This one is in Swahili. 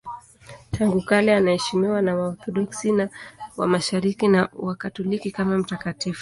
Tangu kale anaheshimiwa na Waorthodoksi wa Mashariki na Wakatoliki kama mtakatifu.